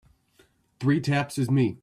Three taps is me.